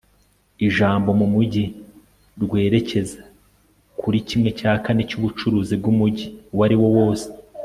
ijambo mumujyi rwerekeza kuri kimwe cya kane cyubucuruzi bwumujyi uwo ariwo wose